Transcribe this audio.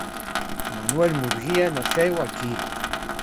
Manuel Murguía naceu aquí.